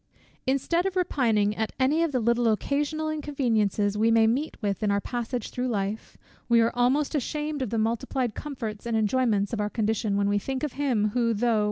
Instead of repining at any of the little occasional inconveniences we may meet with in our passage through life; we are almost ashamed of the multiplied comforts and enjoyments of our condition, when we think of him, who, though "the Lord of glory," "had not where to lay his head."